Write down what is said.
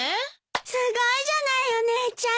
すごいじゃないお姉ちゃん。